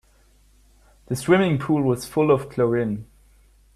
The swimming pool was full of chlorine.